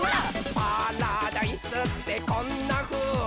「パラダイスってこんなふうーっ？」